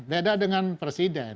beda dengan presiden